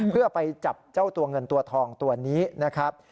เพื่อไปจับเจ้าตัวเงินตัวทองตัวนี้นะครับ